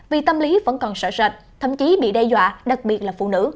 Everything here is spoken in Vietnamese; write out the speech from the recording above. vì tâm lý vẫn còn sợ sạch thậm chí bị đe dọa đặc biệt là phụ nữ